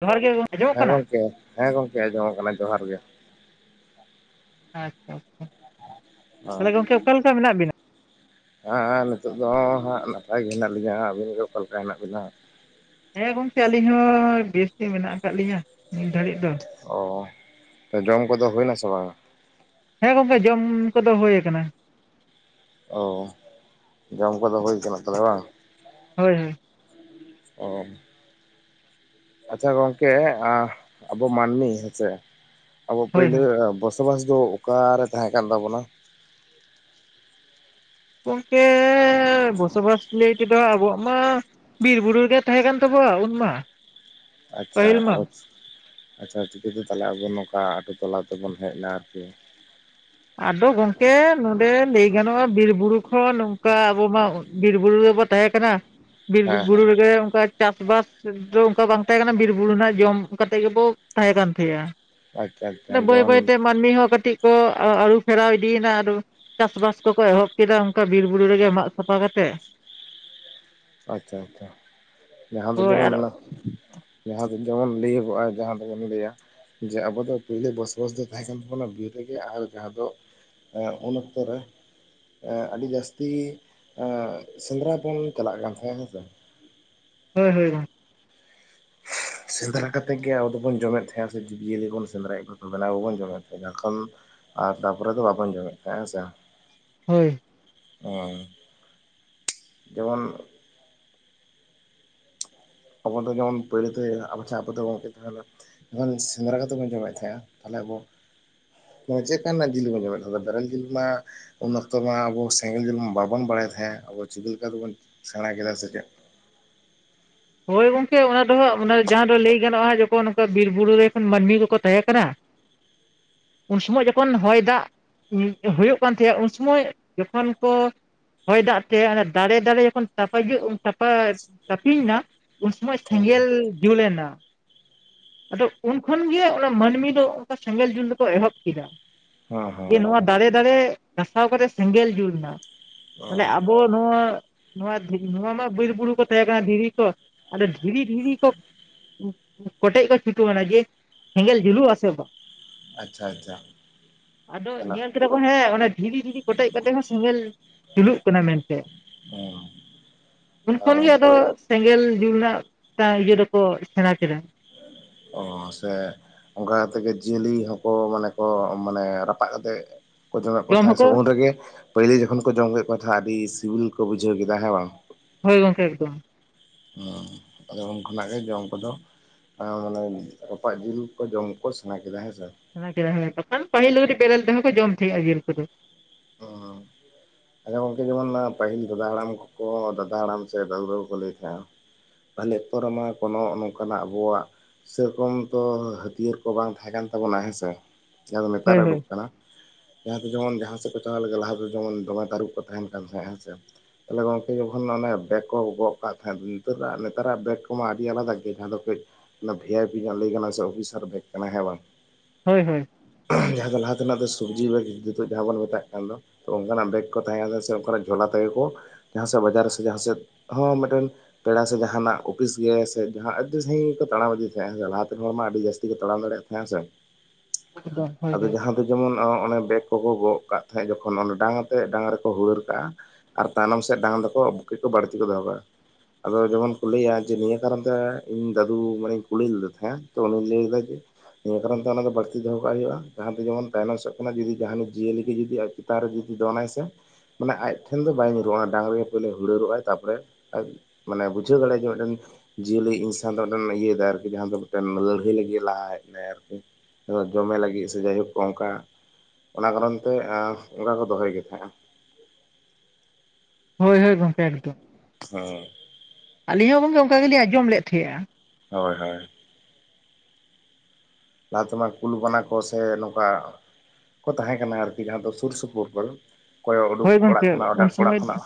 ᱡᱚᱦᱟᱨ ᱜᱮ ᱜᱚᱝ ᱟᱸᱡᱚᱢᱚᱜ ᱦᱮᱸ ᱠᱟᱱᱟ ᱜᱚᱝᱠᱮ, ᱦᱮᱸ ᱜᱚᱝᱠᱮ ᱟᱸᱡᱚᱢᱚᱜ ᱠᱟᱱᱟ ᱡᱚᱦᱟᱨ ᱜᱮ ᱾ ᱟᱪᱷᱟ ᱟᱪᱷᱟ ᱾ ᱟᱸ ᱵᱤᱱᱟ? ᱦᱮᱸ ᱦᱮ ᱸᱱᱤᱛᱚᱜ ᱫᱚ ᱦᱟᱸᱜ ᱱᱟᱯᱟᱭ ᱜᱮ ᱦᱮᱱᱟᱜ ᱞᱤᱧᱟ, ᱟᱹᱵᱤᱱ ᱜᱮ ᱚᱠᱟ ᱞᱮᱠᱟ ᱦᱮᱱᱟᱜ ᱵᱤᱱᱟ? ᱦᱮᱸ ᱜᱚᱝᱠᱮ ᱟᱹᱞᱤᱧ ᱦᱚᱸ ᱵᱮᱥ ᱜᱮ, ᱢᱮᱱᱟᱜ ᱠᱟᱜ ᱞᱤᱧᱟᱹ ᱱᱤᱛ ᱫᱷᱟᱨᱤᱡ ᱫᱚ ᱾ ᱚ ᱡᱚᱢ ᱠᱚᱫᱚ ᱦᱩᱭ ᱱᱟ ᱥᱮ ᱵᱟᱝ? ᱦᱮᱸ ᱜᱚᱢᱠᱮ ᱡᱚᱢ ᱠᱚᱫᱚ ᱦᱳᱭ ᱠᱟᱱᱟ ᱾ ᱚ ᱡᱚᱢ ᱠᱚᱫᱚ ᱦᱳᱭ ᱠᱟᱱᱟ ᱛᱟᱦᱚᱞᱮ ᱵᱟᱝ? ᱦᱳᱭ-ᱦᱳᱭ ᱾ ᱚᱸ ᱟᱪᱪᱷᱟ ᱜᱚᱝᱠᱮ ᱟᱵᱚ ᱢᱟᱹᱱᱢᱤ ᱦᱮᱸᱥᱮ ᱟᱵᱚ ᱦᱳᱭ ᱯᱳᱭᱞᱳ ᱦᱳᱭ ᱵᱚᱥ ᱥᱚᱵᱟᱥ ᱫᱚ ᱚᱠᱟᱨᱮ ᱛᱟᱦᱮᱸ ᱠᱟᱱ ᱛᱟᱵᱚᱱᱟ? ᱜᱚᱝᱢᱠᱮᱻ, ᱵᱚᱥᱚᱵᱟᱥ ᱞᱟᱹᱭ ᱛᱮᱫᱚ ᱟᱵᱚᱣᱟᱜ ᱢᱟ ᱵᱤᱨ ᱵᱩᱨᱩ ᱜᱮ ᱛᱟᱦᱮᱸ ᱠᱟᱱ ᱛᱟᱵᱚᱶᱟ ᱩᱱ ᱢᱟ ᱾ ᱟᱪᱪᱷᱟ ᱟᱵᱚ ᱟᱪᱷᱟ ᱪᱤᱠᱟᱹᱛᱮ ᱛᱟᱦᱚᱞᱮ ᱟᱵᱚ ᱱᱚᱝᱠᱟ ᱟᱛᱳ ᱴᱚᱞᱟ ᱛᱮᱵᱚᱱ ᱦᱮᱡ ᱱᱟ ᱟᱨᱠᱤ? ᱟᱫᱚ ᱜᱚᱝᱠᱮ ᱱᱚᱰᱮ ᱞᱟᱹᱭ ᱜᱟᱱᱚᱜᱼᱟ, ᱵᱤᱨ ᱵᱩᱨᱩ ᱠᱷᱚᱱ ᱱᱚᱝᱠᱟ ᱟᱵᱚ ᱢᱟ ᱵᱤᱨ ᱵᱩᱨᱩ ᱨᱮ ᱵᱚ ᱛᱟᱦᱮᱸ ᱠᱟᱱᱟ ᱾ᱵᱤᱨ ᱦᱮᱸ ᱵᱩᱨᱩ ᱦᱮᱸ ᱨᱮ ᱜᱮ ᱚᱝᱠᱟ ᱪᱟᱥ ᱵᱟᱥ ᱫᱚ ᱚᱝᱠᱟ ᱵᱟᱝ ᱛᱟᱦᱮᱸ ᱠᱟᱱᱟ, ᱵᱤᱨ ᱵᱩᱨᱩ ᱨᱮᱱᱟᱜ ᱡᱚᱢ ᱠᱟᱛᱮᱜ ᱜᱮᱵᱚ ᱛᱟᱦᱮᱸ ᱠᱟᱱ ᱛᱮᱦᱮᱜᱼᱟ ᱟᱪᱪᱷᱟ ᱟᱪᱪᱷᱟ ᱾ ᱵᱟᱹᱭ ᱡᱮᱢᱚᱱ ᱵᱟᱹᱭ ᱛᱮ ᱢᱟᱱᱢᱤ ᱦᱚᱸ ᱠᱟᱴᱤᱡ ᱟᱹᱨᱩ ᱯᱷᱮᱨᱟᱣ ᱤᱫᱤ ᱭᱮᱱᱟ ᱟᱫᱚ ᱪᱟᱥ ᱵᱟᱥ ᱠᱚᱠᱚ ᱮᱦᱚᱵ ᱠᱮᱫᱟ ᱚᱱᱠᱟ ᱵᱤᱨ ᱵᱩᱨᱩ ᱨᱮᱜᱮ ᱢᱟᱜ ᱥᱟᱯᱷᱟ ᱠᱟᱛᱮᱼᱜ ᱾ ᱚ ᱟᱪᱷᱟ ᱟᱪᱷᱟ᱾ ᱡᱟᱦᱟᱸ ᱫᱚ ᱦᱳᱭ ᱡᱮᱢᱚᱱ ᱟᱨ ᱚᱱᱟ ᱡᱟᱦᱟᱸ ᱫᱚ ᱡᱮᱢᱚᱱ ᱞᱟᱹᱭᱜ ᱜᱚᱜᱼᱟ, ᱡᱟᱦᱟᱸ ᱫᱚᱵᱚᱱ ᱞᱟᱹᱭᱟ ᱡᱮ ᱟᱵᱚ ᱫᱚ ᱯᱳᱭᱞᱟᱹ ᱵᱚᱥᱵᱟᱥ ᱫᱚ ᱛᱟᱦᱮᱸ ᱠᱟᱱ ᱛᱟᱵᱚᱱᱟ ᱵᱤᱨ ᱨᱮᱜᱮ ᱾ ᱟᱨ ᱡᱟᱦᱟᱸ ᱫᱚ ᱮᱸ ᱩᱱ ᱚᱠᱛᱚ ᱨᱮ ᱟᱰᱤ ᱡᱟᱹᱥᱛᱤ ᱥᱮᱸᱫᱽᱨᱟ ᱵᱚᱱ ᱪᱟᱞᱟᱜ ᱠᱟᱱ ᱛᱟᱦᱮᱸᱱᱟ ᱦᱮᱸ ᱥᱮ ᱾ ᱦᱳᱭᱻᱦᱳᱭ ᱾ ᱥᱮᱸᱫᱽᱨᱟ ᱠᱟᱛᱮᱫ ᱜᱮ ᱟᱵᱚ ᱫᱚᱵᱚᱱ ᱡᱚᱢᱮᱫ ᱛᱟᱦᱮᱸᱜ ᱥᱮ ᱡᱤᱵᱽᱡᱤᱭᱟᱹᱞᱤ ᱵᱚᱱ ᱥᱮᱸᱫᱽᱨᱟᱭᱮᱫ ᱠᱚ ᱠᱚ ᱠᱟᱱᱟ ᱩᱱᱠᱩ ᱵᱚᱱ ᱡᱚᱢᱮᱫ ᱛᱟᱦᱮᱜ ᱮᱠᱷᱚᱱ ᱟᱨ ᱛᱟᱯᱚᱨᱮ ᱫᱚ ᱵᱟᱵᱚᱱ ᱡᱚᱢᱮ ᱛᱟᱦᱮᱸᱜ ᱦᱮᱸ ᱥᱮ ᱦᱚᱭ ᱦᱮᱸ [inaudible] ᱡᱮᱢᱚᱱ ᱟᱵᱚᱫᱚ ᱡᱮᱢᱚᱱ ᱯᱟᱹᱭᱞᱟᱹ ᱛᱮ ᱟᱵᱚ ᱪᱟ ᱟᱵᱚᱫᱚ ᱜᱚᱝᱠᱮ ᱛᱟᱦᱚᱞᱮ ᱡᱮᱠᱷᱚᱱ [inaudible] ᱥᱮᱸᱫᱽᱨᱟ ᱠᱟᱛᱮ ᱵᱚᱱ ᱡᱚᱢᱮᱜ ᱛᱟᱦᱮᱸᱜᱟ ᱛᱟᱦᱚᱞᱮ ᱟᱵᱚ ᱪᱮᱜ ᱠᱟᱱᱟᱜ ᱡᱤᱞ ᱵ ᱡᱚᱢᱮᱫ ᱛᱟᱦᱮᱜ ᱱᱟ ᱵᱨᱮᱞ ᱡᱤᱞ ᱢᱟ ᱩᱱ ᱚᱠᱛᱚ ᱢᱟ ᱟᱵᱚ ᱥᱮᱸᱜᱮᱞ ᱡᱩᱞ ᱢᱟ ᱵᱟᱵᱚᱱ ᱵᱟᱲᱟᱭ ᱛᱟᱦᱮᱜ ᱟᱵᱚ ᱪᱤᱠᱟ ᱞᱮᱠᱟᱛᱮᱵᱚᱱ ᱥᱮᱬᱟ ᱠᱮᱫᱟ ᱥᱮ ᱪᱮᱫ? ᱦᱳᱭ ᱜᱚᱝᱠᱮ ᱚᱱᱟ ᱫᱚ ᱦᱟᱸᱜ ᱡᱟᱦᱟᱸ ᱫᱚ ᱞᱟᱹᱭ ᱜᱟᱱᱚᱜᱼᱟ ᱡᱚᱠᱷᱚᱱ ᱱᱚᱝᱠᱟ ᱵᱤᱨ ᱵᱩᱨᱩ ᱨᱮ ᱢᱟᱹᱱᱢᱤ ᱠᱚᱠᱚ ᱛᱟᱦᱮᱸ ᱠᱟᱱᱟ ᱩᱱ ᱥᱚᱢᱚᱭ ᱡᱚᱠᱷᱚᱱ ᱦᱚᱭ ᱫᱟᱜ ᱦᱩᱭᱩᱜ ᱠᱟᱱ ᱛᱟᱦᱮᱸᱱᱟ ᱩᱱ ᱥᱚᱢᱚᱭ ᱡᱚᱠᱷᱚᱱ ᱠᱚ ᱦᱚᱭ ᱫᱟᱜ ᱛᱮ ᱚᱱᱟ ᱛᱟᱨᱮ ᱫᱟᱨᱮ ᱡᱚᱠᱷᱚᱱ ᱛᱟᱯᱟᱜᱤᱭᱟ ᱛᱟᱯᱟ ᱛᱯᱤᱧ ᱮᱱᱟ ᱩᱱ ᱥᱚᱢᱚᱭ ᱦᱮᱸ ᱥᱮᱸᱜᱮᱞ ᱦᱮᱸ ᱡᱩᱞᱮᱱᱟ ᱾ ᱟᱫᱚ ᱩᱱ ᱠᱷᱚᱱ ᱜᱮ ᱚᱱᱟ ᱢᱟᱹᱱᱢᱤ ᱫᱚ ᱚᱱᱠᱟ ᱥᱮᱸᱜᱮᱞ ᱡᱩᱞ ᱫᱚᱠᱚ ᱮᱦᱚᱵ ᱠᱮᱫᱟ ᱦᱚᱸ ᱡᱮ ᱦᱚᱸ ᱱᱚᱣᱟ ᱫᱟᱨᱮ ᱫᱟᱨᱮ ᱜᱦᱟᱥᱟᱣ ᱠᱟᱛᱮᱜ ᱥᱮᱸᱜᱮᱞ ᱡᱩᱞ ᱮᱱᱟ ᱚ ᱛᱚᱵᱮ ᱟᱵᱚ ᱱᱚᱣᱟ ᱱᱚᱣᱟ ᱱᱚᱣᱟ ᱢᱟ ᱵᱤᱨ ᱵᱩᱨᱩ ᱠᱚ ᱛᱟᱦᱮᱸ ᱠᱟᱱᱟ ᱫᱷᱤᱨᱤ ᱠᱚ ᱟᱫᱚ ᱫᱷᱤᱨᱤ ᱫᱷᱤᱨᱤ ᱠᱚ, ᱠᱚᱴᱮᱡ ᱠᱟ ᱯᱷᱤᱠᱩ ᱢᱮᱱᱟ ᱡᱮ ᱦᱮᱸᱜᱮᱞ ᱡᱩᱞᱩᱜ ᱟᱥᱮ ᱵᱟ ᱟᱪᱪᱷᱟ ᱟᱪᱪᱷᱟ ᱟᱫᱚ ᱛᱟᱦᱚᱞᱮ ᱧᱮᱞ ᱠᱮᱫᱟᱠᱚ ᱦᱮᱸ ᱚᱱᱮ ᱫᱷᱤᱨᱤ ᱫᱷᱤᱨᱤ ᱠᱚᱴᱮᱡ ᱠᱟᱛᱮ ᱦᱚᱸ ᱥᱮᱸᱜᱮᱞ ᱡᱩᱞᱩᱜ ᱠᱟᱱᱟ ᱢᱮᱱᱛᱮ ᱩᱱᱠᱷᱚᱱ ᱜᱮ ᱦᱚᱸ ᱟᱫᱚ ᱥᱮᱸᱜᱮᱞ ᱡᱩᱞ ᱨᱮᱱᱟᱜ ᱤᱭᱟᱹ ᱫᱚᱠᱚ ᱥᱮᱬᱟ ᱠᱮᱫᱟ ᱚᱥᱮ ᱚᱱᱠᱟ ᱠᱟᱛᱮᱜᱮ ᱡᱤᱭᱟᱹᱞᱤ ᱦᱚᱸᱠᱚ ᱢᱟᱱᱮ ᱠᱚ ᱢᱟᱱᱮ ᱨᱟᱯᱟᱜ ᱠᱟᱛᱮᱫ ᱠᱚ ᱡᱚᱢᱮᱫ ᱠᱚ ᱡᱚᱢ ᱛᱟᱦᱮᱸ ᱥᱮ ᱦᱚᱸᱠᱚ ᱩᱱ ᱨᱮᱜᱮ ᱯᱟᱦᱤᱞ ᱡᱚᱠᱷᱚᱱ ᱠᱚ ᱡᱚᱢ ᱞᱮᱫ ᱠᱚ ᱛᱟᱦᱮᱸ ᱟᱹᱰᱤ ᱥᱤᱵᱤᱞ ᱠᱚ ᱵᱩᱡᱷᱟᱹᱣ ᱠᱮᱫᱟ ᱦᱮᱸ ᱵᱟᱝ ᱦᱳᱭ ᱜᱚᱝᱠᱮ ᱮᱠᱫᱚᱢ ᱦᱩᱸ ᱟᱫᱚ ᱩᱱ ᱠᱷᱚᱱᱟᱜ ᱜᱮ ᱡᱚᱢ ᱠᱚᱫᱚ ᱮ ᱢᱟᱱᱮ ᱨᱟᱯᱟᱜ ᱡᱤᱞ ᱠᱚ ᱡᱚᱢᱠᱚ ᱥᱮᱲᱟ ᱠᱮᱫᱟ ᱦᱮᱸᱥᱮ [inaudible] ᱵᱟᱠᱷᱟᱱ ᱯᱟᱹᱦᱤᱞ ᱵᱮᱨᱮᱞ ᱛᱮᱦᱚᱸ ᱠᱚ ᱡᱚᱢ ᱛᱟᱦᱮᱸᱜᱼᱟ ᱡᱤᱞ ᱠᱚᱫᱚ᱾ ᱟᱪᱪᱷᱟ ᱜᱚᱝᱠᱮ ᱡᱮᱢᱚᱱ ᱯᱟᱹᱦᱤᱞ ᱫᱟᱫᱟ ᱦᱟᱲᱟᱢ ᱠᱚ ᱫᱟᱫᱟ ᱦᱟᱲᱟᱢ ᱥᱮ ᱫᱟᱹᱫᱩ ᱛᱟᱠᱚ ᱞᱟᱹᱭ ᱛᱟᱦᱮᱸᱱᱟ, ᱯᱟᱦᱞᱮ ᱛᱚ ᱨᱮᱢᱟ ᱠᱳᱱᱳ ᱱᱚᱝᱠᱟᱱᱟᱜ ᱟᱵᱚᱣᱟᱜ, ᱥᱮᱨᱚᱠᱚᱢ ᱛᱚ ᱦᱟᱹᱛᱤᱭᱟᱹᱨ ᱠᱚ ᱵᱟᱝ ᱛᱟᱦᱮᱸ ᱠᱟᱱ ᱛᱟᱵᱚᱱᱟ ᱦᱮᱸᱥᱮ? ᱡᱟᱦᱟᱸ ᱫᱚ ᱱᱮᱛᱟᱨ ᱦᱳᱭ ᱦᱳᱭ ᱩᱰᱩᱠ ᱟᱠᱟᱱᱟ ᱡᱟᱦᱟᱸ ᱫᱚ ᱡᱮᱢᱚᱱ ᱡᱟᱦᱟᱸ ᱥᱮᱫ ᱯᱮ ᱪᱟᱞᱟᱜ ᱞᱮ ᱞᱟᱦᱟ ᱫᱚ ᱡᱮᱢᱚᱱ ᱫᱚᱢᱮ ᱛᱟᱹᱨᱩᱵ ᱠᱚ ᱛᱟᱦᱮᱸᱱ ᱠᱟᱱ ᱛᱟᱦᱮᱸᱜ ᱦᱮᱸ ᱥᱮ, ᱛᱟᱦᱚᱞᱮ ᱜᱚᱝᱠᱮ ᱡᱚᱠᱷᱚᱱ ᱵᱮᱜᱽ ᱠᱚ ᱜᱚᱜ ᱠᱟᱜ ᱛᱟᱦᱮᱸᱫ ᱱᱤᱛᱚᱜ ᱫᱚ ᱱᱮᱛᱟᱨᱟᱜ ᱵᱮᱜᱽ ᱠᱚᱢᱟ ᱟᱹᱰᱤ ᱟᱞᱟᱫᱟ ᱜᱮ ᱡᱟᱦᱟᱸ ᱫᱚ ᱠᱟᱹᱡ, ᱚᱱᱟ ᱵᱷᱤ ᱟᱭ ᱯᱤ ᱧᱚᱜ ᱞᱟᱹᱭ ᱠᱟᱱᱟ ᱥᱮ ᱚᱯᱷᱤᱥᱟᱨ ᱵᱷᱮᱠ ᱠᱟᱱᱟᱭ ᱦᱮᱸ ᱵᱟᱝ, ᱦᱳᱭ ᱦᱳᱭ᱾ ᱡᱟᱦᱟᱸ ᱫᱚ ᱞᱟᱦᱟ ᱛᱮᱱᱟᱜ ᱫᱚ ᱥᱚᱵᱽᱡᱤ ᱵᱮᱜᱽ ᱡᱩᱛᱩᱜ ᱡᱟᱦᱟᱸ ᱵᱚᱱ ᱢᱮᱛᱟᱜ ᱠᱟᱱ ᱫᱚ ᱚᱱᱠᱟᱱᱟᱜ ᱵᱮᱜᱽ ᱛᱟᱦᱮᱸᱱᱟ ᱥᱮ ᱚᱱᱠᱟᱱᱟᱜ ᱡᱷᱚᱞᱟ ᱛᱮᱜᱮ ᱠᱚ ᱡᱟᱦᱟᱸ ᱥᱮᱫ ᱵᱟᱡᱟᱨ ᱥᱮ ᱡᱟᱦᱟᱸ ᱥᱮᱫ ᱦᱚᱸ ᱢᱤᱫᱴᱮᱱ ᱯᱮᱲᱟ ᱥᱮ ᱡᱟᱦᱟᱸᱱᱟᱜ ᱚᱯᱷᱤᱥ ᱜᱮ ᱥᱮ ᱟᱹᱰᱤ ᱥᱟᱺᱜᱤᱧ ᱜᱮᱠᱚ ᱛᱟᱲᱟᱢ ᱤᱫᱤ ᱛᱟᱦᱮᱸᱜ ᱞᱟᱦᱟᱛᱮᱱ ᱦᱚᱲ ᱢᱟ ᱟᱹᱰᱤ ᱡᱟᱹᱥᱛᱤ, ᱡᱟᱥᱛᱤ ᱜᱮ ᱛᱟᱲᱟᱢ ᱫᱟᱲᱮᱭᱟᱜ ᱛᱟᱦᱮᱸᱜ ᱥᱮ, [unintelligible] ᱦᱳᱭ ᱟᱫᱚ ᱦᱳᱭ ᱡᱟᱦᱟᱸ ᱫᱚ ᱡᱮᱢᱚᱱ ᱚᱱᱟ ᱵᱮᱜᱽ ᱠᱚᱠᱚ ᱜᱚᱜ ᱠᱟᱜ ᱛᱟᱦᱮᱸᱜ ᱡᱚᱠᱷᱚᱱ ᱰᱟᱝ ᱥᱮ ᱰᱟᱝ ᱨᱮᱠᱚ ᱦᱩᱲᱟᱹᱲ ᱠᱟᱜᱼᱟ ᱟᱨ ᱛᱟᱭᱱᱚᱢ ᱥᱮᱫ ᱰᱟᱝ ᱫᱚᱠᱚ ᱵᱩᱜᱤ ᱠᱚ ᱵᱟᱹᱲᱛᱤ ᱠᱚ ᱫᱚᱦᱚ ᱠᱟᱜᱼᱟ᱾ ᱟᱫᱚ ᱡᱮᱢᱚᱱ ᱠᱚ ᱞᱟᱹᱭᱟ ᱱᱤᱭᱟᱹ ᱠᱟᱨᱚᱱ ᱛᱮ ᱤᱧ ᱫᱟᱫᱩ ᱢᱟᱱᱮᱧ ᱠᱩᱞᱤ ᱞᱮᱫᱮ ᱛᱟᱦᱮᱸᱫ ᱛᱚ ᱩᱱᱤ ᱞᱟᱹᱭ ᱫᱟᱭ ᱡᱮ, ᱱᱤᱭᱟᱹ ᱠᱟᱨᱚᱱ ᱛᱮ ᱚᱱᱟ ᱫᱚ ᱵᱟᱹᱲᱛᱤ ᱫᱚᱦᱚ ᱠᱟᱜ ᱦᱩᱭᱩᱜ-ᱟ, ᱡᱟᱦᱟᱸ ᱫᱚ ᱡᱮᱢᱚᱱ ᱛᱟᱭᱱᱚᱢ ᱥᱮᱫ ᱠᱷᱚᱱᱟᱜ ᱡᱩᱫᱤ ᱡᱟᱦᱟᱸᱱᱤᱡ ᱡᱤᱭᱟᱹᱞᱤ ᱜᱮ ᱡᱩᱫᱤ ᱟᱡ ᱪᱮᱛᱟᱱ ᱨᱮ ᱡᱩᱫᱤ ᱫᱚᱱᱟᱭ ᱥᱮ ᱢᱟᱱᱮ ᱟᱡ ᱴᱷᱮᱱ ᱫᱚ ᱵᱟᱭ ᱧᱩᱨᱩᱜᱼᱟ ᱚᱱᱟ ᱰᱟᱝ ᱨᱮᱜᱮ ᱯᱩᱭᱞᱩ ᱦᱩᱲᱟᱹᱨᱚᱜ ᱼ ᱟᱭ ᱛᱟᱨᱯᱚᱨᱮ ᱟᱡ ᱢᱟᱱᱮ ᱵᱩᱡᱷᱟᱹ ᱫᱟᱲᱮᱭᱟᱜᱼᱜᱮ ᱢᱤᱫᱴᱮᱱ ᱡᱤᱭᱟᱹᱞᱤ ᱤᱱᱥᱟᱱ ᱫᱚ ᱡᱤᱭᱟᱹᱞᱤ ᱤᱧ ᱥᱟᱶ ᱫᱚ ᱟᱫᱚ ᱤᱭᱟᱹ ᱫᱟᱭ ᱟᱨᱠᱤ ᱡᱟᱦᱟᱸ ᱫᱚ ᱢᱤᱫᱴᱮᱱ ᱞᱟᱹᱲᱦᱟᱹᱭ ᱞᱟᱹᱜᱤᱫ ᱞᱟᱦᱟ ᱦᱮᱡ ᱮᱱᱟᱭ ᱟᱨᱠᱤ ᱡᱚᱢᱮ ᱞᱟᱹᱜᱤᱫ ᱥᱮ ᱡᱟᱭᱦᱳᱠ ᱚᱱᱠᱟ ᱚᱱᱟ ᱠᱟᱨᱚᱱ ᱛᱮ ᱚᱱᱠᱟ ᱫᱚᱦᱚᱭ ᱜᱮ ᱛᱟᱦᱮᱸᱜᱼᱟ, ᱦᱳᱭ ᱦᱳᱭ ᱜᱚᱢᱠᱮ ᱮᱠᱫᱚᱢ, ᱦᱮᱸ ᱟᱹᱞᱤᱧ ᱦᱚᱸ ᱜᱚᱢᱠᱮ ᱚᱱᱠᱟ ᱜᱮᱞᱤᱧ ᱟᱸᱡᱚᱢ ᱞᱮᱜ ᱛᱟᱦᱮᱸᱜᱼᱟ, ᱦᱳᱭ ᱦᱳᱭ, ᱞᱟᱦᱟ ᱛᱮᱢᱟ ᱠᱩᱞ ᱵᱟᱱᱟ ᱠᱚ ᱥᱮ ᱱᱚᱝᱠᱟ ᱠᱚ ᱛᱟᱦᱮᱸᱠᱟᱱᱟ ᱟᱨᱠᱤ ᱡᱟᱦᱟᱸ ᱫᱚ ᱥᱩᱨ ᱥᱩᱯᱩᱨ ᱠᱚ ᱠᱚᱭᱚᱜ ᱩᱰᱩᱠ ᱦᱳᱭ ᱚᱲᱟᱜ ᱜᱚᱝᱠᱮ ᱠᱷᱚᱱᱟᱜ ᱚᱠᱟ ᱚᱲᱟᱜ ᱠᱷᱚᱱᱟᱜ,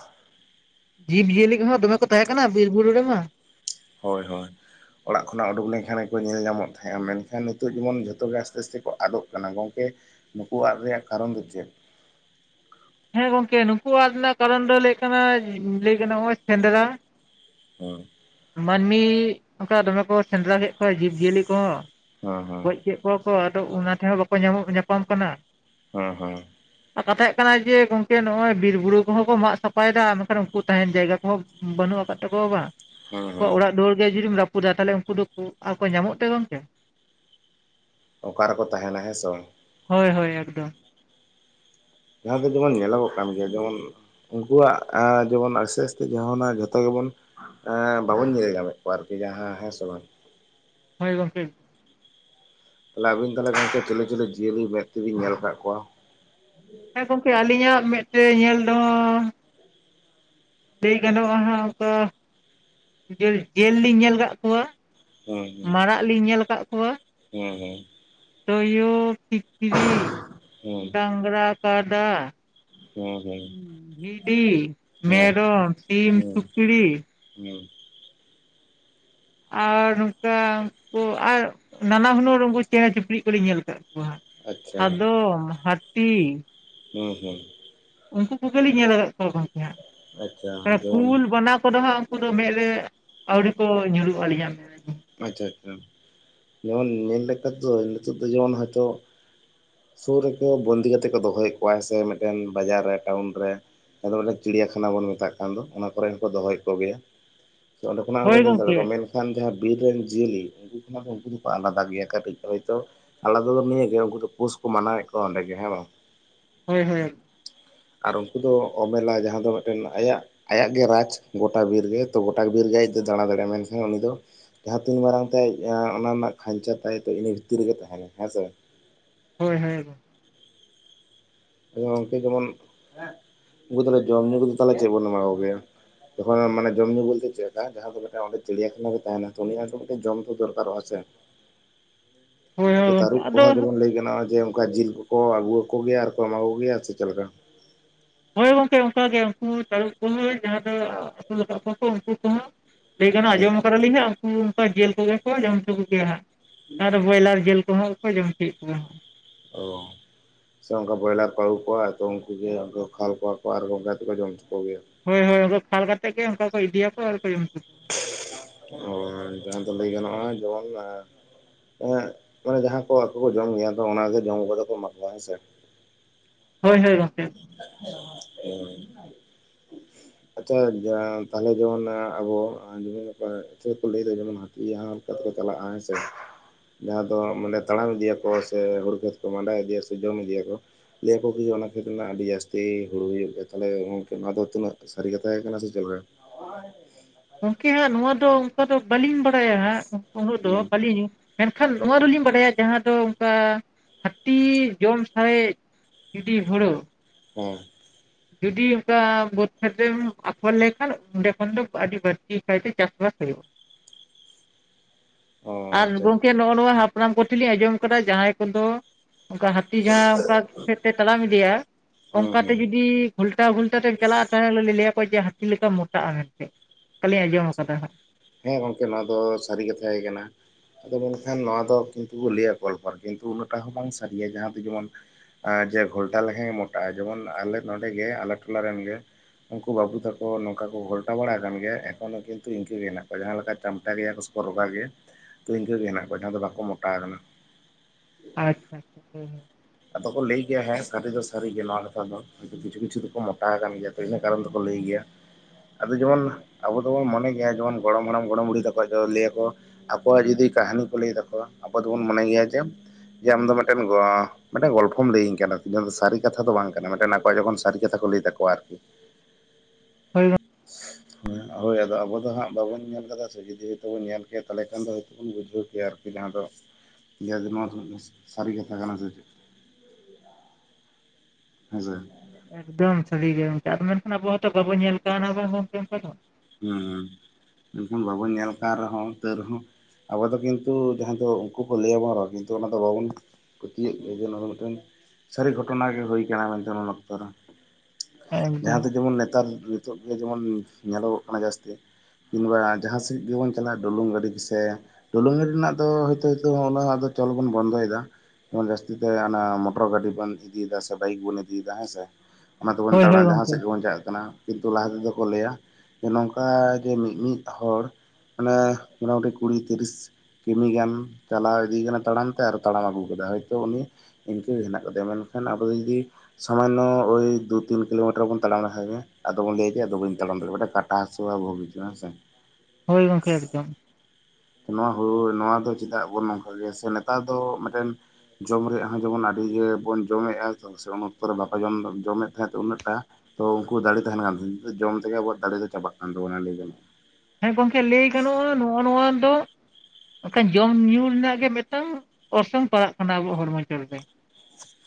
ᱡᱤᱵᱽᱡᱤᱭᱟᱹᱞᱤ ᱠᱚᱦᱚᱸ ᱫᱚᱢᱮ ᱠᱚ ᱛᱟᱦᱮᱸ ᱠᱟᱱᱟ ᱵᱤᱨ ᱵᱩᱨᱩ ᱨᱮᱢᱟ᱾ ᱦᱚᱭ ᱦᱚᱭ ᱚᱲᱟᱜ ᱠᱷᱚᱱᱟᱜ ᱩᱰᱩᱠ ᱞᱮᱱᱠᱷᱟᱱ ᱜᱮᱠᱚ ᱧᱮᱞ ᱧᱟᱢᱚᱜ ᱛᱟᱦᱮᱸᱜ-ᱟ ᱢᱮᱱᱠᱷᱟᱱ ᱱᱤᱛᱚᱜ ᱡᱮᱢᱚᱱ ᱡᱷᱚᱛᱚ ᱜᱮ ᱟᱥᱛᱮ ᱟᱥᱛᱮ ᱠᱚ ᱟᱫᱚᱜ ᱠᱟᱱᱟ, ᱜᱚᱝᱠᱮ ᱱᱩᱠᱩ ᱟᱫ ᱨᱮᱭᱟᱜ ᱠᱟᱨᱚᱱ ᱫᱚ ᱪᱮᱫ? ᱦᱮᱸ ᱜᱚᱝᱠᱮ ᱾ ᱱᱩᱠᱩ ᱟᱫ ᱨᱮᱱᱟᱜ ᱠᱟᱨᱚᱱ ᱫᱚ ᱞᱟᱹᱭ ᱠᱟᱱᱟ ᱞᱟᱹᱭ ᱜᱟᱱᱚᱜ ᱱᱚᱜᱼᱚᱭ ᱥᱮᱸᱫᱽᱨᱟ ᱦᱳᱭ ᱾ ᱢᱟᱹᱱᱢᱤ ᱚᱱᱠᱟ ᱫᱚᱢᱮ ᱠᱚ ᱥᱮᱸᱫᱽᱨᱟ ᱠᱮᱫ ᱠᱚᱣᱟ ᱡᱤᱵᱽᱼᱡᱤᱭᱟᱹᱞᱤ ᱠᱚᱦᱚᱸ ᱦᱮᱸ ᱜᱚᱡ ᱠᱮᱫ ᱠᱚᱣᱟ ᱠᱩ ᱠᱚ ᱟᱫᱚ ᱚᱱᱟ ᱛᱮᱦᱚᱸ ᱵᱟᱠᱚ ᱧᱟᱢᱚᱜ ᱧᱟᱯᱟᱢ ᱠᱟᱱᱟ ᱾ ᱦᱮᱸ ᱦᱮᱸ ᱠᱟᱛᱷᱟᱮᱫ ᱠᱟᱱᱟᱭ ᱡᱮ ᱜᱚᱝᱠᱮ ᱱᱚᱜᱼᱚᱭ ᱵᱤᱨ ᱵᱩᱨᱩ ᱠᱚᱦᱚᱸ ᱠᱚ ᱢᱟᱜ ᱥᱟᱯᱷᱟᱭᱮᱫᱟ ᱢᱮᱱᱠᱷᱟᱱ ᱩᱱᱠᱩ ᱛᱟᱦᱮᱱ ᱡᱟᱭᱜᱟ ᱠᱚᱦᱚᱸ ᱵᱟᱹᱱᱩᱜ ᱟᱠᱟᱫ ᱛᱟᱠᱚᱣᱟ ᱵᱟ ᱦᱮᱸ ᱦᱮᱸ ᱩᱱᱠᱩᱣᱟᱜ ᱚᱲᱟᱜ ᱫᱩᱣᱟᱹᱨ ᱜᱮ ᱡᱩᱫᱤᱢ ᱨᱟᱹᱯᱩᱫᱟ ᱛᱟᱦᱚᱞᱮ ᱩᱱᱠᱩ ᱫᱚ ᱟᱨ ᱠᱚ ᱧᱟᱢᱚᱜ ᱛᱮ ᱜᱚᱝᱠᱮ ᱚᱠᱟ ᱨᱮᱠᱚ ᱛᱟᱦᱮᱱᱟ ᱦᱮᱸ ᱥᱮ ᱵᱟᱝ ᱦᱳᱭ ᱦᱳᱭ ᱮᱠᱫᱚᱢ, ᱡᱟᱦᱟᱸ ᱫᱚ ᱡᱮᱢᱚᱱ ᱧᱮᱞᱚᱜᱚᱜ ᱠᱟᱱ ᱜᱮᱭᱟ ᱡᱮᱢᱚᱱ ᱩᱱᱠᱩᱣᱟᱜ ᱡᱮᱢᱚᱱ ᱟᱥᱛᱮ ᱟᱥᱛᱮ ᱡᱟᱦᱟᱱᱟᱜ ᱡᱷᱚᱛᱚ ᱜᱮᱵᱚᱱ ᱦᱮᱸ ᱵᱟᱵᱚᱱ ᱧᱮᱞ ᱧᱟᱢᱮᱫ ᱠᱚᱣᱟ ᱟᱨᱠᱤ ᱡᱟᱦᱟᱸ ᱦᱮᱸ ᱥᱮ ᱵᱟᱝ ᱦᱳᱭ ᱜᱚᱝᱠᱮ ᱾ ᱛᱟᱦᱚᱞᱮ ᱟᱵᱤᱱ ᱛᱟᱦᱚᱞᱮ ᱜᱚᱝᱠᱮ ᱪᱤᱞᱤ ᱪᱤᱞᱤ ᱡᱤᱭᱟᱹᱞᱤ ᱢᱮᱫ ᱛᱮᱵᱤᱱ ᱧᱮᱞ ᱟᱠᱟᱫ ᱠᱚᱣᱟ? ᱦᱮᱸ ᱜᱚᱝᱠᱮ ᱟᱹᱞᱤᱧᱟᱜ ᱢᱤᱫ ᱛᱮ ᱧᱮᱞ ᱫᱚ ᱞᱟᱹᱭ ᱜᱟᱱᱚᱜᱼᱟ ᱦᱟᱸᱜ ᱚᱱᱠᱟ ᱡᱤᱞ ᱞᱤᱧ ᱧᱮᱞ ᱟᱠᱟᱫ ᱠᱚᱣᱟ ᱾ ᱦᱩᱸ ᱦᱩᱸ ᱦᱩᱸ ᱦᱩᱸ ᱛᱚᱭᱩ ᱠᱷᱤᱠᱲᱤ ᱦᱮᱸ ᱰᱟᱝᱨᱟ ᱠᱟᱰᱟ ᱦᱩᱸ ᱦᱩᱸ ᱵᱷᱤᱰᱤ ᱢᱮᱨᱚᱢ ᱥᱤᱢ ᱥᱩᱠᱨᱤ ᱦᱮᱸ ᱾ ᱟᱨ ᱱᱚᱝᱠᱟ ᱟᱨ ᱱᱟᱱᱟ ᱦᱩᱱᱟᱹᱨ ᱩᱱᱠᱩ ᱪᱮᱬᱮ ᱪᱩᱯᱲᱤᱡ ᱠᱚ ᱞᱤᱧ ᱧᱮᱞ ᱟᱠᱟᱫ ᱠᱚᱣᱟ ᱾ ᱟᱪᱪᱷᱟ ᱥᱟᱫᱚᱢ ᱦᱟᱛᱤ ᱦᱩᱸ ᱦᱩᱸ ᱾ ᱩᱱᱠᱩ ᱠᱚᱜᱮ ᱞᱤᱧ ᱧᱮᱞ ᱟᱠᱟᱫ ᱠᱚᱣᱟ ᱜᱚᱝᱠᱮ ᱟᱪᱪᱷᱟ ᱦᱟᱸᱜ ᱡᱮᱢᱚᱱ ᱠᱩᱞ ᱵᱟᱱᱟ ᱠᱚᱫᱚ ᱦᱟᱸᱜ ᱩᱱᱠᱩ ᱫᱚ ᱢᱮᱫ ᱨᱮ ᱟᱹᱣᱨᱤ ᱠᱚ ᱧᱩᱨᱩᱜᱼᱟ ᱟᱹᱞᱤᱧᱟᱜ ᱢᱮᱫ ᱨᱮ ᱟᱪᱪᱷᱟ ᱟᱪᱪᱷᱟ ᱡᱮᱢᱚᱱ ᱧᱮᱞ ᱞᱮᱠᱟ ᱛᱚ ᱱᱤᱛᱚᱜ ᱫᱚ ᱡᱮᱢᱚᱱ ᱦᱚᱭᱛᱳ ᱥᱩᱨ ᱨᱮᱠᱚ ᱵᱸᱚᱫᱽᱫᱤ ᱠᱟᱛᱮ ᱠᱚ ᱫᱚᱦᱚᱭᱮᱫ ᱠᱚᱣᱟ ᱥᱮ ᱢᱤᱫᱴᱮᱱ ᱵᱟᱡᱟᱨ ᱨᱮ ᱴᱟᱣᱩᱱ ᱨᱮ ᱾ ᱟᱫᱚ ᱚᱱᱮ ᱮ ᱪᱤᱲᱤᱭᱟᱠᱷᱟᱱᱟ ᱵᱚᱱ ᱢᱮᱛᱟᱜ ᱠᱟᱱ ᱫᱚ ᱚᱱᱟ ᱠᱚᱨᱮ ᱦᱚᱸᱠᱚ ᱫᱚᱦᱚᱭᱮᱫ ᱠᱚ ᱜᱮᱭᱟ ᱾ ᱚᱸᱰᱮ ᱠᱷᱚᱱᱟᱜ ᱦᱳᱭ ᱦᱚᱸᱵᱚᱱ ᱧᱮᱞ ᱫᱟᱲᱮ ᱜᱚᱝᱠᱮ ᱠᱚᱣᱟ ᱢᱮᱱᱠᱷᱟᱱ ᱡᱟᱦᱟᱸ ᱵᱤᱨ ᱨᱮᱱ ᱡᱤᱭᱟᱹᱞᱤ ᱩᱱᱠᱩ ᱠᱷᱚᱱᱟᱜ ᱫᱚ ᱩᱱᱠᱩ ᱫᱚᱠᱚ ᱟᱞᱟᱫᱟ ᱜᱮᱭᱟ ᱠᱟᱹᱴᱤᱡ ᱦᱚᱭ ᱛᱚ ᱟᱞᱟᱫᱟ ᱫᱚ ᱱᱤᱭᱟᱹ ᱜᱮ ᱩᱱᱠᱩ ᱫᱚ ᱯᱩᱥ ᱠᱚ ᱢᱟᱱᱟᱣᱮᱫ ᱠᱚᱣᱟ ᱚᱸᱰᱮ ᱜᱮ ᱦᱮᱸ ᱵᱟᱝ ᱦᱳᱭ ᱦᱳᱭ ᱾ ᱟᱨ ᱩᱱᱠᱩ ᱫᱚ ᱚᱢᱮᱞᱟ ᱡᱟᱦᱟᱸ ᱫᱚ ᱢᱤᱫᱴᱮᱱ ᱟᱭᱟᱜ ᱟᱭᱟᱜ ᱜᱮ ᱨᱟᱡᱽ ᱜᱚᱴᱟ ᱵᱤᱨ ᱜᱮ ᱛᱚ ᱜᱚᱴᱟ ᱵᱤᱨ ᱜᱮ ᱟᱡᱛᱮᱭ ᱫᱟᱬᱟ ᱫᱟᱲᱮᱭᱟᱜᱼᱟ ᱢᱮᱱᱠᱷᱟᱱ ᱩᱱᱤ ᱫᱚ ᱡᱟᱦᱟᱸ ᱛᱤᱱ ᱢᱟᱨᱟᱝ ᱛᱮ ᱚᱱᱟ ᱨᱮᱱᱟᱜ ᱠᱷᱟᱧᱪᱟ ᱛᱟᱭ ᱤᱱᱟᱹ ᱵᱷᱤᱛᱤᱨ ᱨᱮᱜᱮ ᱛᱟᱦᱮᱱᱟ ᱦᱮᱸ ᱥᱮ ᱦᱳᱭ ᱦᱳᱭ ᱾ ᱚ ᱜᱚᱝᱠᱮ ᱡᱮᱢᱚᱱ ᱩᱱᱠᱩ ᱛᱟᱦᱚᱞᱮ ᱡᱚᱢ ᱧᱩ ᱠᱚᱫᱚ ᱛᱟᱦᱚᱞᱮ ᱪᱮᱫ ᱵᱚᱱ ᱮᱢᱟ ᱠᱚ ᱜᱮᱭᱟ ᱛᱚᱠᱷᱚᱱ ᱢᱟᱱᱮ ᱡᱚᱢ ᱧᱩ ᱵᱚᱞᱛᱮ ᱪᱮᱫ ᱞᱮᱠᱟ ᱡᱟᱦᱟᱸ ᱮᱴᱟ ᱚᱸᱰᱮ ᱪᱤᱲᱤᱭᱟᱠᱷᱟᱱᱟ ᱜᱮ ᱛᱟᱦᱮᱱᱟ ᱛᱚ ᱩᱱᱤᱭᱟ ᱛᱚ ᱡᱚᱢ ᱧᱩ ᱫᱚᱫᱚᱨᱠᱟᱨᱚᱜᱼᱟ ᱾ ᱥᱮ ᱜᱚᱝᱠᱮ ᱦᱳᱭ ᱦᱳᱭ ᱜᱚᱝᱠᱮ ᱛᱟᱹᱨᱩᱵ ᱟᱫᱚ ᱠᱚᱦᱚᱸ ᱡᱮᱢᱚᱱ ᱞᱟᱹᱭ ᱜᱟᱱᱚᱜᱼᱟ ᱡᱮ ᱚᱱᱠᱟ ᱡᱤᱞ ᱠᱚᱠᱚ ᱟᱹᱜᱩᱣᱟᱠ ᱜᱮᱭᱟ ᱟᱨᱠᱚ ᱮᱢᱟ ᱠᱚ ᱜᱮᱭᱟ ᱥᱮ ᱪᱮᱫ ᱞᱮᱠᱟ ᱦᱚᱳᱭ ᱜᱚᱝᱠᱮ ᱚᱱᱠᱟᱜ ᱜᱮ ᱩᱱᱠᱩ ᱛᱟᱹᱨᱩᱵ ᱠᱚᱦᱚᱸ ᱡᱟᱦᱟᱸ ᱫᱚ ᱟᱹᱥᱩᱞ ᱟᱠᱟᱫ ᱠᱚᱣᱟ ᱩᱱᱠᱩ ᱠᱚᱦᱚᱸ ᱞᱟᱹᱭ ᱜᱟᱱᱚᱜᱼᱟ ᱟᱸᱚᱢ ᱟᱠᱟᱫᱟ ᱞᱤᱧ ᱦᱟᱸᱜ ᱩᱱᱠᱩ ᱚᱱᱠᱟ ᱡᱮᱞ ᱠᱚᱜᱮ ᱠᱚᱸᱡᱚᱢ ᱦᱚᱪᱚ ᱠᱚ ᱜᱮᱭᱟ ᱦᱟᱸᱜ ᱾ ᱟᱨ ᱵᱚᱭᱞᱟᱨ ᱡᱤᱞ ᱠᱚᱦᱚᱸ ᱠᱚ ᱡᱚᱢ ᱦᱚᱪᱚᱭᱮᱫ ᱠᱚᱣᱟ ᱾ ᱚ ᱾ ᱥᱮ ᱚᱱᱠᱟ ᱵᱚᱭᱞᱟᱨ ᱠᱚ ᱟᱜᱩ ᱠᱚᱣᱟ ᱛᱚ ᱩᱱᱠᱩ ᱜᱮ ᱠᱷᱟᱞ ᱠᱚᱣᱟ ᱠᱚ ᱟᱨ ᱚᱝᱠᱟ ᱛᱮ ᱠᱚ ᱡᱚᱢ ᱦᱚᱪᱚ ᱠᱚᱜᱮᱭᱟ ᱾ ᱦᱳᱭ ᱦᱳᱭ ᱩᱱ ᱠᱷᱟᱞ ᱠᱟᱛᱮ ᱜᱮ ᱚᱱᱠᱟ ᱠᱚ ᱤᱫᱤᱭᱟᱠᱚ ᱟᱨᱠᱚ ᱡᱚᱢ ᱦᱚᱪᱚ ᱚ ᱡᱟᱦᱟᱸ ᱫᱚ ᱞᱟᱹᱭ ᱜᱟᱱᱚᱜᱼᱟ᱾ ᱡᱮᱢᱚᱱ ᱮᱜ ᱢᱟᱱᱮ ᱡᱟᱦᱟᱸ ᱠᱚ ᱟᱠᱚ ᱠᱚ ᱡᱚᱢ ᱜᱮᱭᱟ ᱚᱱᱟᱜᱮ ᱡᱚᱢ ᱠᱚᱫᱚ ᱠᱚ ᱮᱢᱟ ᱠᱚᱣᱟ ᱦᱮᱸᱥᱮ᱾ ᱦᱳᱭ ᱦᱳᱭ ᱜᱚᱝᱠᱮ᱾ [inaudible] [inaudible] ᱟᱪᱪᱷᱟ ᱛᱟᱦᱞᱮ ᱡᱮᱢᱚᱱ ᱟᱵᱚ ᱟᱸᱡᱚᱢ ᱧᱟᱢᱚᱜ ᱠᱟᱱᱟ ᱪᱮᱫ ᱠᱚ ᱞᱟᱹᱭ ᱫᱟ ᱡᱮᱢᱚᱱ ᱦᱟᱸᱜ ᱤᱭᱟᱹ ᱦᱟᱸᱜ ᱚᱱᱠᱟᱛᱮᱠᱚ ᱪᱟᱞᱟᱜᱼᱟ ᱦᱮᱸ ᱥᱮ᱾ ᱡᱟᱦᱟᱸ ᱫᱚ ᱢᱟᱱᱮ ᱛᱟᱲᱟᱢ ᱤᱫᱤᱭᱟᱠᱚ ᱥᱮ, ᱦᱩᱲᱩ ᱠᱷᱮᱛ ᱠᱚ ᱢᱟᱸᱰᱟ ᱤᱫᱤᱭᱟ, ᱥᱮ ᱡᱚᱢ ᱤᱫᱤᱭᱟᱠᱚ᱾ ᱞᱟᱹᱭ ᱟᱠᱚ ᱠᱤ ᱚᱱᱟ ᱨᱮᱱᱟᱜ ᱟᱹᱰᱤ ᱡᱟᱹᱥᱛᱤ ᱦᱩᱲᱩ ᱦᱩᱭᱩᱜ ᱜᱮᱭᱟ ᱛᱷᱟᱞᱮ ᱜᱚᱝᱠᱮ ᱱᱚᱣᱟ ᱫᱚ ᱛᱤᱱᱟᱹᱜ ᱥᱟᱹᱨᱤ ᱠᱟᱛᱷᱟ ᱜᱮ ᱠᱟᱱᱟ ᱥᱮ ᱪᱮᱫ ᱞᱮᱠᱟ? [unintelligible] ᱜᱚᱝᱠᱮ ᱦᱟᱸᱜ ᱱᱚᱣᱟ ᱫᱚ ᱚᱝᱠᱟ ᱫᱚ ᱵᱟᱹᱞᱤᱧ ᱵᱟᱲᱟᱭᱟ ᱦᱟᱸᱜ ᱩᱱᱟᱹᱜ ᱫᱚ ᱦᱩᱸ ᱵᱟᱹᱞᱤᱧ ᱢᱮᱱᱠᱷᱟᱱ ᱱᱚᱣᱟ ᱫᱚᱞᱤᱧ ᱵᱟᱰᱟᱭᱟ ᱡᱟᱦᱟᱸ ᱫᱚ ᱚᱝᱠᱟ ᱦᱟᱹᱛᱤ ᱡᱚᱢ ᱥᱟᱨᱮᱡ ᱜᱤᱰᱤ ᱦᱩᱲᱩ ᱦᱮᱸ᱾ ᱡᱩᱫᱤ ᱩᱝᱠᱟ ᱵᱟᱹᱫᱽ ᱠᱷᱮᱛ ᱨᱮᱢ ᱟᱯᱷᱚᱨ ᱞᱮᱠᱷᱟᱱ ᱚᱸᱰᱮ ᱠᱷᱚᱱ ᱫᱚ ᱟᱹᱰᱤ ᱵᱟᱹᱲᱛᱤ ᱠᱟᱭᱛᱮ ᱪᱟᱥ ᱵᱟᱥ ᱦᱩᱭᱩᱜᱼᱟ᱾ ᱚ [inaudible] ᱟᱨ ᱟᱪᱪᱷᱟ ᱜᱚᱝᱠᱮ ᱱᱚᱜᱼᱚ ᱱᱚᱣᱟ ᱦᱟᱯᱲᱟᱢ ᱠᱚᱴᱷᱮᱱ ᱞᱤᱧ ᱟᱸᱡᱚᱢ ᱠᱟᱫᱟ ᱡᱟᱦᱟᱸᱭ ᱠᱚᱫᱚ ᱚᱝᱠᱟ ᱠᱤ ᱡᱟᱦᱟᱸ ᱚᱱᱠᱟ ᱥᱮᱫ ᱛᱮ ᱛᱟᱲᱟᱢ ᱤᱫᱤᱭᱟ ᱦᱩᱸ ᱚᱱᱠᱟᱛᱮ ᱦᱩᱸ ᱡᱩᱫᱤ ᱠᱤ ᱜᱷᱚᱞᱴᱟ ᱜᱷᱚᱞᱴᱟ ᱛᱮᱢ ᱪᱟᱞᱟᱜᱼᱟ ᱛᱟᱦᱞᱮ ᱞᱟᱹᱭᱟ ᱠᱚ ᱡᱮ ᱦᱟᱹᱛᱤ ᱞᱮᱠᱟᱢ ᱢᱳᱴᱟᱜᱼᱟ ᱢᱮᱱᱛᱮ᱾ ᱠᱷᱟᱹᱞᱤᱧ ᱟᱸᱡᱚᱢ ᱟᱪᱪᱷᱟ ᱟᱠᱟᱫᱟ ᱦᱟᱸᱜ᱾ ᱦᱮᱸ ᱜᱚᱝᱠᱮ ᱱᱚᱣᱟ ᱫᱚ ᱥᱟᱹᱨᱤ ᱠᱟᱛᱷᱟ ᱜᱮ ᱠᱟᱱᱟ᱾ ᱟᱫᱚ ᱢᱮᱱᱠᱷᱟᱱ ᱱᱚᱣᱟ ᱫᱚ ᱠᱤᱱᱛᱩ ᱠᱚ ᱞᱟᱹᱭᱟ ᱜᱚᱞᱯᱚ ᱨᱮ ᱠᱤᱱᱛᱩ ᱩᱱᱟᱹᱜ ᱴᱟ ᱦᱚᱸ ᱵᱟᱝ ᱥᱟᱹᱨᱤᱭᱟ ᱡᱟᱦᱟᱸ ᱫᱚ ᱡᱮᱢᱚᱱ ᱟᱸ ᱡᱮ ᱜᱷᱚᱞᱴᱟ ᱞᱮᱠᱷᱟᱱ ᱜᱮ ᱢᱚᱴᱟᱜᱼᱟᱭ ᱡᱮᱢᱚᱱ ᱟᱞᱮ ᱱᱚᱸᱰᱮᱜᱮ ᱟᱞᱮ ᱴᱚᱞᱟ ᱨᱮᱱ ᱜᱮ ᱩᱱᱠᱩ ᱵᱟᱹᱵᱩ ᱛᱟᱠᱚ ᱱᱚᱝᱠᱟ ᱠᱚ ᱜᱷᱚᱞᱴᱟ ᱵᱟᱲᱟᱜ ᱠᱟᱱ ᱜᱮᱭᱟ ᱮ ᱮᱠᱷᱚᱱᱳ ᱠᱤᱱᱛᱩ ᱤᱝᱠᱟᱹ ᱜᱮ ᱦᱮᱱᱟᱜ ᱠᱚᱣᱟ ᱡᱟᱦᱟᱸ ᱞᱮᱠᱟ ᱪᱟᱢᱴᱟ ᱜᱮᱭᱟ ᱠᱚ ᱥᱮ ᱠᱚ ᱨᱚᱜᱟ ᱜᱮᱭᱟ᱾ ᱛᱚ ᱤᱝᱠᱟᱹ ᱜᱮ ᱦᱮᱱᱟᱜ ᱠᱚᱣᱟ᱾ ᱡᱟᱦᱟᱸ ᱫᱚ ᱵᱟᱠᱚ ᱢᱚᱴᱟᱣ ᱠᱟᱱᱟ᱾ ᱟᱪᱪᱷᱟ ᱟᱪᱪᱷᱟ ᱦᱩᱸ ᱦᱩᱸ᱾ ᱟᱫᱚ ᱠᱚ ᱞᱟᱹᱭ ᱜᱮᱭᱟ ᱦᱮᱸ ᱥᱟᱹᱨᱤ ᱫᱚ ᱥᱟᱹᱨᱤ ᱜᱮ ᱱᱚᱣᱟ ᱠᱟᱛᱷᱟ ᱫᱚ᱾ ᱠᱤᱪᱷᱩ ᱠᱤᱪᱷᱩ ᱫᱚ ᱠᱚ ᱢᱚᱴᱟᱣ ᱟᱠᱟᱱ ᱜᱮᱭᱟ ᱛᱚ᱾ ᱤᱱᱟᱹ ᱠᱟᱨᱚᱱ ᱛᱮᱠᱚ ᱞᱟᱹᱭ ᱜᱮᱭᱟ᱾ ᱟᱫᱚ ᱡᱮᱢᱚᱱ ᱟᱵᱚ ᱫᱚ ᱵᱚ ᱢᱚᱱᱮ ᱜᱮᱭᱟ ᱡᱮᱢᱚᱱ ᱜᱚᱲᱚᱢ ᱦᱟᱲᱟᱢ ᱜᱚᱲᱚᱢ ᱵᱩᱲᱦᱤ ᱛᱟᱠᱚ ᱟᱫᱚ ᱞᱟᱹᱭᱟ ᱠᱚ᱾ ᱟᱠᱚᱣᱟᱜ ᱡᱩᱫᱤ ᱠᱟᱹᱦᱱᱤ ᱠᱚ ᱞᱟᱹᱭ ᱛᱟᱠᱚᱣᱟ ᱟᱵᱚ ᱫᱚᱵᱚᱱ ᱢᱚᱱᱮᱭ ᱜᱮᱭᱟ ᱡᱮ ᱡᱮ ᱟᱢᱫᱚ ᱢᱤᱫᱴᱮᱱ ᱜᱳᱸ ᱢᱤᱫᱴᱮᱱ ᱜᱚᱞᱯᱷᱚᱢ ᱞᱟᱹᱭ ᱟᱹᱧ ᱠᱟᱱᱟ᱾ ᱡᱟᱦᱟ ᱫᱚ ᱥᱟᱹᱨᱤ ᱠᱟᱛᱷᱟ ᱫᱚ ᱵᱟᱝ ᱠᱟᱱᱟ᱾ ᱢᱤᱫᱴᱟᱝ ᱟᱠᱚᱣᱟᱜ ᱡᱚᱠᱷᱚᱱ ᱥᱟᱹᱨᱤ ᱠᱟᱛᱷᱟ ᱠᱚ ᱞᱟᱹᱭ ᱛᱟᱠᱚᱣᱟ ᱟᱨᱠᱤ ᱦᱳᱭ᱾ ᱦᱩᱸ, ᱦᱳᱭ ᱟᱫᱚ ᱟᱵᱚ ᱫᱚ ᱦᱟᱸᱜ ᱵᱟᱵᱚᱱ ᱧᱮᱞ ᱠᱟᱫᱟ ᱥᱮ ᱡᱩᱫᱤ ᱦᱚᱭᱛᱳ ᱵᱚᱱ ᱧᱮᱞ ᱠᱮᱭᱟ ᱛᱷᱟᱞᱮ ᱠᱷᱟᱱ ᱫᱚ ᱦᱚᱭᱛᱚ ᱵᱚᱱ ᱵᱩᱡᱷᱟᱹᱣ ᱠᱮᱭᱟ ᱟᱨᱠᱤ᱾ ᱡᱟᱦᱟᱸ ᱫᱚ ᱜᱮᱡ ᱱᱚᱣᱟ ᱫᱚ ᱥᱟᱹᱨᱤ ᱠᱟᱛᱷᱟ ᱠᱟᱱᱟ ᱥᱮ ᱪᱮᱫ? ᱦᱮᱸ ᱥᱮ᱾ ᱮᱠᱫᱚᱢ ᱥᱟᱹᱨᱤ ᱜᱮ ᱟᱫᱚ ᱢᱮᱱᱠᱷᱟᱱ ᱟᱵᱚ ᱦᱚᱸᱛᱚ ᱵᱟᱵᱚ ᱧᱮᱞ ᱠᱟᱣᱱᱟ ᱵᱟᱝ ᱜᱚᱝᱠᱮ ᱚᱱᱠᱟ ᱫᱚ᱾ ᱦᱩᱸ, ᱮᱱᱠᱷᱟᱱ ᱵᱟᱵᱚ ᱧᱮᱞ ᱠᱟ ᱨᱮᱦᱚᱸ ᱛᱟᱹᱣ ᱨᱮᱦᱚᱸ ᱟᱵᱚ ᱫᱚ ᱠᱤᱱᱛᱩ ᱡᱟᱦᱟᱸ ᱫᱚ ᱩᱝᱠᱩ ᱠᱚ ᱞᱟᱹᱭ ᱟᱵᱚᱱ ᱨᱮᱦᱚᱸ ᱠᱤᱱᱛᱩ ᱚᱱᱟ ᱫᱚ ᱵᱟᱵᱚᱱ ᱯᱟᱹᱛᱭᱟᱹᱜ ᱜᱮ, ᱡᱮ ᱱᱚᱣᱟ ᱫᱚ ᱢᱤᱫᱴᱮᱱ ᱥᱟᱹᱨᱤ ᱜᱷᱚᱴᱚᱱᱟ ᱜᱮ ᱦᱩᱭ ᱠᱟᱱᱟ ᱢᱮᱱᱛᱮ ᱩᱱ ᱚᱠᱛᱚ ᱨᱮ᱾ ᱡᱟᱦᱟᱸ ᱮᱠᱫᱚᱢ ᱫᱚ ᱡᱮᱢᱚᱱ ᱱᱮᱛᱟᱨ ᱱᱤᱛᱚᱜ ᱜᱮ ᱡᱮᱢᱚᱱ ᱧᱮᱞᱚᱜᱚᱜ ᱠᱟᱱᱟ ᱡᱟᱹᱥᱛᱤ᱾ ᱠᱤᱝᱵᱟ ᱡᱟᱦᱟᱸ ᱥᱮᱫ ᱜᱮᱵᱚᱱ ᱪᱟᱞᱟᱜ ᱰᱩᱞᱩᱝ ᱜᱟᱹᱰᱤ ᱛᱮ ᱥᱮ ᱰᱩᱞᱩᱝ ᱜᱟᱹᱰᱤ ᱨᱮᱱᱟᱜ ᱫᱚ ᱦᱚᱭᱛᱚ ᱦᱚᱭᱛᱚ ᱩᱱᱟᱹᱜ ᱟᱫᱚ ᱪᱚᱞ ᱵᱚᱱ ᱵᱚᱱᱫᱚᱭᱫᱟ᱾ ᱡᱮᱢᱚᱱ ᱡᱟᱹᱥᱛᱤ ᱛᱮ ᱟᱱᱟ ᱢᱚᱴᱚᱨ ᱜᱟᱹᱰᱤ ᱵᱚᱱ ᱤᱫᱤᱭᱫᱟ ᱥᱮ ᱵᱟᱭᱤᱠ ᱵᱚᱱ ᱤᱫᱤᱭᱫᱟ ᱦᱮᱸ ᱥᱮ᱾ ᱚᱱᱟ ᱛᱮᱵᱚᱱ ᱦᱳᱭ ᱦᱳᱭ ᱫᱟᱲᱟᱱ ᱡᱟᱦᱟᱸ ᱜᱚᱝᱠᱮ ᱥᱮᱫ ᱜᱮᱵᱚᱱ ᱪᱟᱜ ᱠᱟᱱᱟ᱾ ᱠᱤᱱᱛᱩ ᱞᱟᱦᱟ ᱛᱮᱫᱚ ᱠᱚ ᱞᱟᱹᱭᱟ ᱱᱚᱝᱠᱟ ᱡᱮ ᱢᱤ ᱢᱤᱫ ᱦᱚᱲ ᱢᱟᱱᱮ ᱢᱚᱴᱟᱢᱩᱴᱤ ᱠᱩᱲᱤ ᱛᱤᱨᱤᱥ ᱠᱤᱢᱤ ᱜᱟᱱ ᱪᱟᱞᱟᱣ ᱤᱫᱤᱭ ᱠᱟᱱᱟ ᱛᱟᱲᱟᱢ ᱛᱮ ᱟᱨ ᱛᱟᱲᱟᱢ ᱟᱹᱜᱩ ᱠᱟᱫᱟ ᱦᱚᱭᱛᱚ ᱩᱱᱤ ᱤᱱᱠᱟᱹ ᱜᱮ ᱦᱮᱱᱟᱜ ᱠᱟᱫᱮᱭᱟ ᱢᱮᱱᱠᱷᱟᱱ ᱟᱵᱚ ᱫᱚ ᱡᱩᱫᱤ ᱥᱟᱢᱟᱱᱱᱚ ᱳᱭ ᱫᱩ ᱛᱤᱱ ᱠᱤᱞᱳᱢᱤᱴᱟᱨ ᱵᱚᱱ ᱛᱟᱲᱟᱢ ᱞᱮᱠᱷᱟᱡ ᱜᱮ ᱟᱫᱚ ᱵᱚᱱ ᱞᱟᱹᱭᱟ ᱡᱮ ᱟᱫᱚ ᱵᱟᱹᱧ ᱛᱟᱲᱟᱢ ᱫᱟᱲᱮ ᱢᱤᱫᱴᱟᱝ ᱠᱟᱴ ᱴᱟᱥ ᱳᱣᱟᱭ ᱵᱚᱦᱚᱜ ᱵᱟᱹᱲᱤᱪᱚᱜᱼᱟ ᱦᱮᱸ ᱥᱮ᱾ ᱦᱳᱭ ᱜᱚᱝᱠᱮ ᱮᱠᱫᱚᱢ᱾ ᱱᱚᱣᱟ ᱦᱩᱲᱩ ᱱᱚᱣᱟ ᱫᱚ ᱪᱮᱫᱟᱜ ᱵᱚᱱ ᱱᱚᱝᱠᱟ ᱜᱮᱭᱟ ᱥᱮ ᱱᱮᱛᱟᱨ ᱫᱚ ᱢᱤᱫᱴᱮᱱ ᱡᱚᱢ ᱨᱮᱭᱟᱜ ᱦᱚᱸ ᱡᱮᱢᱚᱱ ᱟᱹᱰᱤ ᱜᱮ ᱵᱚᱱ ᱡᱚᱢᱮᱫᱼᱟ ᱛᱚ᱾ ᱥᱮ ᱩᱱ ᱚᱠᱛᱚ ᱨᱮ ᱵᱟᱠᱚ ᱡᱚᱢ ᱫᱟ ᱡᱚᱢᱮᱜ ᱛᱟᱦᱮᱸᱫ ᱩᱱᱟᱹᱜ ᱴᱟᱜ᱾ ᱛᱚ ᱩᱱᱠᱩ ᱫᱟᱲᱮ ᱛᱟᱦᱮᱱ ᱠᱟᱱ ᱛᱮ ᱱᱤᱛᱚᱜ ᱡᱚᱢ ᱛᱮᱜᱮ ᱟᱵᱚᱣᱟᱜ ᱫᱟᱲᱮ ᱫᱚ ᱪᱟᱵᱟᱜ ᱠᱟᱱ ᱛᱟᱵᱚᱱᱟ ᱞᱟᱹᱭ ᱜᱟᱱᱚᱜ-ᱟ᱾ ᱦᱮᱸ ᱜᱚᱝᱠᱮ ᱞᱟᱹᱭ ᱜᱟᱱᱚᱜ-ᱟ ᱱᱚᱣᱟ ᱱᱚᱣᱟ ᱫᱚ ᱢᱮᱱ ᱠᱷᱟᱱ ᱡᱚᱢ ᱧᱩ ᱨᱮᱱᱟᱜ ᱜᱮ ᱢᱮᱫᱴᱟᱝ ᱚᱨᱥᱚᱝ ᱯᱟᱲᱟᱜ ᱠᱟᱱᱟ ᱟᱵᱚᱣᱟᱜ ᱦᱚᱲᱢᱚ ᱡᱳᱨ ᱨᱮ᱾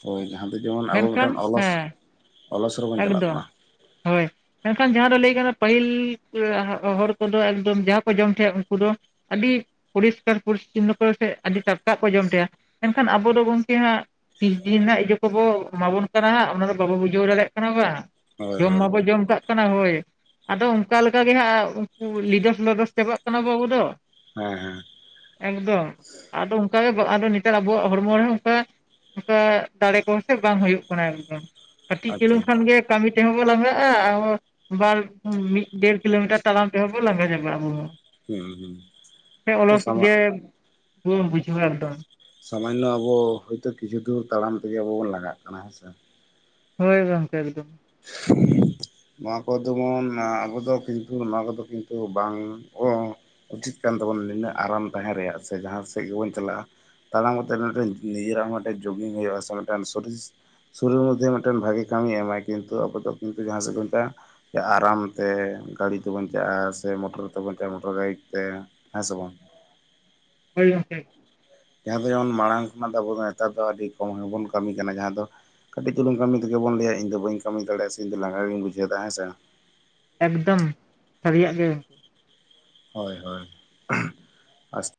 ᱦᱳᱭ ᱡᱟᱦᱟᱸ ᱫᱚ ᱡᱮᱢᱚᱱ ᱟᱵᱚ ᱢᱮᱱᱠᱷᱟᱱ ᱢᱤᱫᱴᱮᱱ ᱚᱞᱚᱥᱼᱼ ᱦᱮᱸ ᱮᱠᱫᱚᱢ ᱦᱳᱭ᱾ ᱢᱮᱱᱠᱷᱟᱱ ᱡᱟᱦᱟᱸ ᱫᱚ ᱞᱟᱹᱭ ᱜᱟᱱᱚᱜ-ᱟ ᱯᱟᱹᱦᱤᱞ ᱮ ᱦᱟᱸ ᱦᱚᱲ ᱠᱚᱫᱚ ᱮᱠᱫᱚᱢ ᱡᱟᱦᱟᱸ ᱠᱚ ᱡᱚᱢ ᱛᱷᱮᱜ-ᱟ ᱩᱱᱠᱩ ᱫᱚᱼᱼ ᱟᱹᱰᱤᱜ ᱯᱚᱨᱤᱥᱠᱟᱨ ᱯᱚᱨᱤᱥᱪᱤᱱᱱᱚ ᱠᱚ ᱯᱚᱥᱮᱜ ᱟᱰᱤ ᱴᱟᱴᱠᱟ ᱠᱚ ᱡᱚᱢ ᱛᱮᱦᱮᱸᱜ-ᱟ᱾ ᱢᱮᱱᱠᱷᱟᱱ ᱟᱵᱚ ᱫᱚ ᱜᱚᱝᱠᱮ ᱦᱟᱸᱜ ᱛᱤᱥ ᱫᱤᱱ ᱨᱮᱱᱟᱜ ᱤᱭᱟᱹ ᱠᱚᱵᱚ ᱮᱢᱟ ᱵᱚᱱ ᱠᱟᱱᱟ ᱦᱟᱸᱜ ᱚᱱᱟ ᱫᱚ ᱵᱟᱵᱚ ᱵᱩᱡᱷᱟᱹᱣ ᱫᱟᱲᱮᱜ [unintelligible] ᱦᱳᱭ ᱡᱚᱢ ᱦᱳᱭ ᱢᱟᱵᱚ ᱡᱚᱢ ᱠᱟᱜ᱾ ᱠᱟᱱᱟ ᱦᱳᱭ ᱟᱫᱚ ᱚᱱᱠᱟ ᱠᱮᱠᱟ ᱜᱮ ᱦᱟᱸᱜ ᱩᱱᱠᱩ ᱞᱤᱰᱟᱹᱥ ᱞᱚᱰᱚᱥ ᱪᱟᱵᱟᱜ ᱠᱟᱱᱟ ᱵᱚ ᱟᱹᱵᱩ ᱫᱚ᱾ ᱦᱮᱸ ᱦᱮᱸ᱾ ᱮᱠᱫᱚᱢ᱾ ᱟᱫᱚ ᱚᱱᱠᱟ ᱜᱮ ᱵᱟ ᱟᱫᱚ ᱱᱮᱛᱟᱨ ᱟᱵᱚᱣᱟᱜ ᱦᱚᱲᱢᱚ ᱨᱮᱦᱚᱸ ᱚᱱᱠᱟ ᱚᱱᱠᱟ ᱫᱟᱲᱮ ᱠᱚᱦᱚᱸ ᱥᱮ ᱵᱟᱝ ᱦᱩᱭᱩᱜ ᱠᱟᱱᱟ ᱮᱠᱫᱚᱢ᱾ ᱟᱪᱪᱷᱟ ᱠᱤᱞᱚᱝ ᱠᱷᱟᱱ ᱟᱪᱪᱷᱟ ᱜᱮ ᱠᱟᱢᱤ ᱛᱮᱦᱚᱸ ᱵᱚ ᱞᱟᱸᱜᱟᱜ-ᱟ ᱵᱟᱨ ᱢᱤᱫ ᱰᱮᱲ ᱠᱤᱞᱳᱢᱤᱴᱟᱨ ᱛᱟᱲᱟᱢ ᱛᱮᱦᱚᱸ ᱵᱩ ᱞᱟᱸᱜᱟ ᱪᱟᱵᱟᱜ-ᱟ ᱟᱵᱩ ‌ᱦᱚᱸ᱾ ᱦᱩᱸ ᱦᱮᱸ ᱦᱩᱸ ᱚᱞᱚᱥ ᱥᱟᱢᱟᱜ ᱜᱮ ᱵᱩᱱ ᱵᱩᱡᱷᱟᱹᱣᱟ ᱮᱠᱫᱚᱢ᱾ ᱥᱟᱢᱟᱭᱱᱚ ᱟᱵᱚ ᱦᱚᱭᱛᱚ ᱠᱤᱪᱷᱩ ᱫᱩᱨ ᱛᱟᱲᱟᱢ ᱛᱮᱜᱮ ᱟᱵᱚ ᱵᱚᱱ ᱞᱟᱸᱜᱟᱜ ᱠᱟᱱᱟ ᱦᱮᱸᱥᱮ᱾ ᱦᱳᱭ ᱜᱚᱝᱠᱮ ᱮᱠᱫᱚᱢ᱾ ᱱᱚᱣᱟ ᱠᱚ ᱫᱚᱢᱚᱱ ᱟᱵᱚ ᱫᱚ ᱠᱤᱱᱛᱩ ᱱᱚᱣᱟ ᱠᱚᱫᱚ ᱠᱤᱱᱛᱩ ᱵᱟᱝ ᱚ ᱩᱪᱤᱛ ᱠᱟᱱ ᱛᱟᱵᱚᱱᱟ ᱱᱤᱱᱟᱹᱜ ᱟᱨᱟᱢ ᱛᱟᱦᱮᱸ ᱨᱮᱭᱟᱜ ᱥᱮ ᱡᱟᱦᱟᱸ ᱥᱮᱜ ᱜᱮᱵᱚᱱ ᱪᱟᱞᱟᱜ-ᱟ᱾ ᱛᱟᱲᱟᱢ‌ ᱠᱟᱛᱮᱜ ᱢᱤᱫᱴᱟᱝ ᱱᱤᱡᱟᱹᱨᱟᱜ ᱢᱤᱫᱴᱮᱱ ᱡᱚᱜᱤᱝ ᱦᱩᱭᱩᱜ-ᱟ ᱢᱤᱫᱴᱟᱝ ᱥᱚᱨᱤᱥᱼᱼ ᱥᱚᱨᱤᱨ‌ ᱢᱩᱫᱽᱫᱷᱮ ᱢᱤᱫᱴᱮᱱ ᱵᱷᱟᱹᱜᱤ ᱠᱟᱢᱤ ᱮᱢᱟᱭ ᱠᱤᱱᱛᱩ ᱟᱵᱚ ᱫᱚ ᱠᱤᱱᱩᱛ ᱡᱟᱦᱟᱸ ᱥᱮᱜ ᱜᱮ ᱮᱱᱛᱮᱜᱼᱼ ᱥᱮ ᱟᱨᱟᱢ ᱛᱮ ᱜᱟᱲᱤ ᱛᱮ ᱵᱚᱱ ᱪᱟᱜ-ᱟ ᱥᱮ ᱢᱚᱴᱚᱨ ᱛᱮ ᱵᱚᱱ ᱪᱟᱜ-ᱟ ᱢᱚᱴᱚᱨ ᱵᱟᱭᱤᱠ ᱛᱮ᱾ ᱦᱮᱸ ᱥᱮ ᱵᱚᱝ? ᱦᱳᱭ ᱜᱚᱝᱠᱮ‌᱾ ᱡᱟᱦᱟᱸ ᱫᱚ ᱡᱮᱢᱚᱱ ᱢᱟᱲᱟᱝ ᱠᱷᱚᱱᱟᱜ ᱫᱚ ᱟᱵᱚ ᱫᱚ ᱱᱮᱛᱟᱨ ᱫᱚ ᱟᱰᱤ ᱠᱚᱢ ᱜᱮᱵᱚᱱ ᱠᱟᱹᱢᱤ ᱠᱟᱱᱟ ᱡᱟᱦᱟᱸ ᱫᱚ ᱠᱟᱹᱴᱤᱡ ᱪᱩᱞᱩᱝ ᱠᱟᱢᱤ ᱛᱮᱜᱮ ᱵᱚᱱ ᱞᱟᱹᱭᱟ, ᱤᱧ ᱫᱟ ᱵᱟᱹᱧ ᱠᱟᱢᱤ ᱫᱟᱲᱮᱭᱟᱜ-ᱟ, ᱥᱮ ᱤᱧ ᱫᱚ ᱞᱟᱸᱜᱟ ᱜᱤᱧ ᱵᱩᱡᱷᱟᱹᱣ ᱫᱟ ᱦᱮᱸ ᱥᱮ᱾ ᱮᱠᱫᱚᱢ ᱥᱟᱹᱨᱤᱭᱟᱜ ᱜᱮ᱾ ᱦᱳᱭ ᱦᱳᱭ ᱩᱸᱦᱩ ᱟᱥᱼᱼ